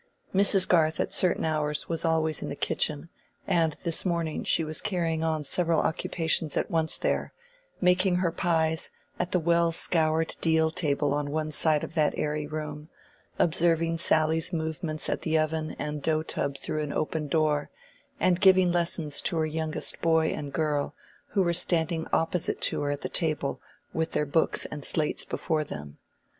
Mrs. Garth at certain hours was always in the kitchen, and this morning she was carrying on several occupations at once there—making her pies at the well scoured deal table on one side of that airy room, observing Sally's movements at the oven and dough tub through an open door, and giving lessons to her youngest boy and girl, who were standing opposite to her at the table with their books and slates before them.